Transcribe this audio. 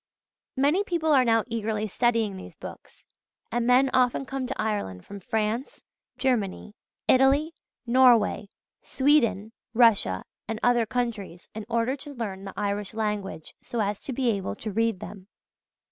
Many people are now eagerly studying these books; and men often come to Ireland from France, Germany, Italy, Norway, Sweden, Russia, and other countries, in order to learn the Irish language so as to be able to read them.